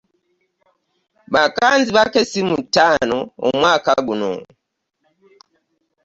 Bakanzibako essimu ttaano omwaka guno.